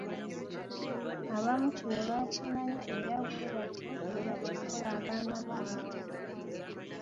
Abamu kino baakimanya era bwe batyo ne bakikola abaana baabwe.